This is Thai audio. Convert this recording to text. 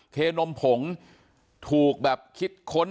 คงถูกแบบคิดค้น